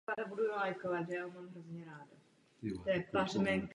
Krajinu i osídlení ovlivňuje několik rybníků.